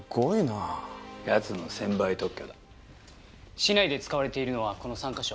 市内で使われているのはこの３か所。